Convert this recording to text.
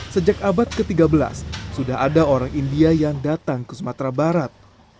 sejak abad ke tiga belas sudah ada orang india yang datang ke sumatera barat